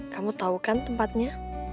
kamu tau kan tempatnya